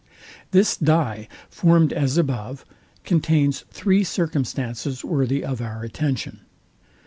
This dye, formed as above, contains three circumstances worthy of our attention.